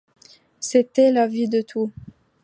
C’était l’avis de tous.